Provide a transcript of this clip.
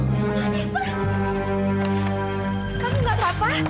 kamu gak apa apa